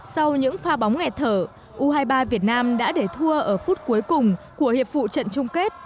sau những pha bóng nghẹt thở u hai mươi ba việt nam đã để thua ở phút cuối cùng của hiệp vụ trận chung kết